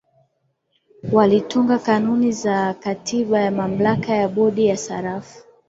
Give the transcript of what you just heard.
walitunga kanuni za katiba ya mamlaka ya bodi ya sarafu